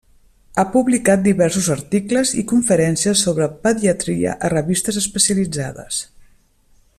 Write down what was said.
Ha publicat diversos articles i conferències sobre pediatria a revistes especialitzades.